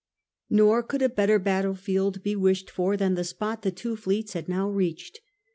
Nor could a better battle field be wished for than the spot the two fleets had now reached.